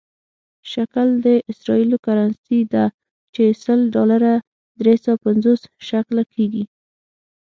شکل د اسرائیلو کرنسي ده چې سل ډالره درې سوه پنځوس شکله کېږي.